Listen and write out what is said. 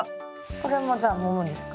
これもじゃあもむんですか？